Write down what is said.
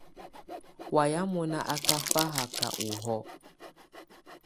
Wayɛ̀á mɔ́ná á ká fáhaká ɔhɔ̀ɔ̀.